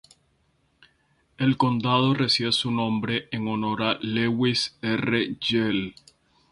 El condado recibe su nombre en honor a Lewis R. Jewell.